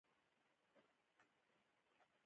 رومیان له خوړو سره بوی ورکوي